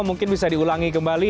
mungkin bisa diulangi kembali